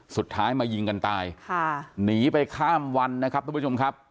สุดท้ายมายิงกันตายค่ะหนีไปข้ามวันนะครับทุกผู้ชมครับ